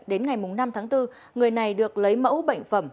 đến ngày năm tháng bốn người này được lấy mẫu bệnh phẩm